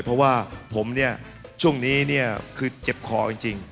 เพราะว่าผมเนี่ยช่วงนี้เนี่ยคือเจ็บคอจริง